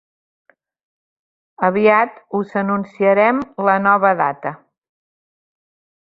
Aviat us anunciarem la nova data.